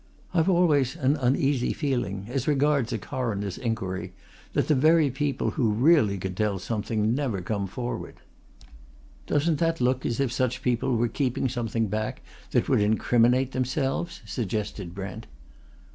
I've always an uneasy feeling, as regards a coroner's inquiry, that the very people who really could tell something never come forward." "Doesn't that look as if such people were keeping something back that would incriminate themselves?" suggested Brent.